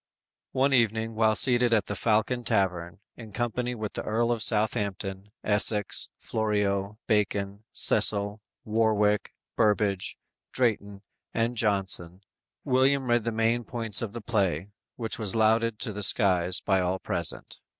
One evening while seated at the Falcon Tavern, in company with the Earl of Southampton, Essex, Florio, Bacon, Cecil, Warwick, Burbage, Drayton and Jonson, William read the main points of the play, which was lauded to the skies by all present.